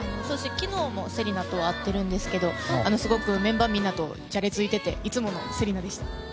昨日も芹奈とは会ってるんですけどメンバーみんなとじゃれついていていつもの芹奈でした。